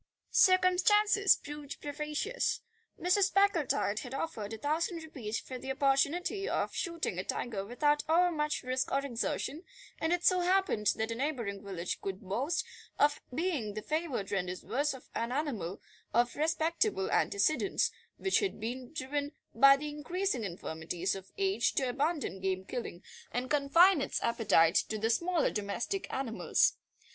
Circumstances proved propitious. Mrs. Packletide had offered a thousand rupees for the opportunity of shooting a tiger without overmuch risk or exertion, and it so happened that a neighbouring village could boast of being the favoured rendezvous of an animal of respectable antecedents, which had been driven by the increasing infirmities of age to abandon game killing and confine its appetite to the smaller domestic animals.